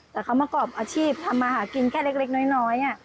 แต่เขาประกอบอาชีพทำมาหากินแค่เล็กน้อย